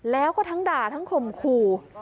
แล้วก็ทั้งด่าทั้งข่มขู่